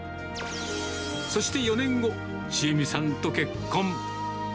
そして４年後、千栄美さんと結婚。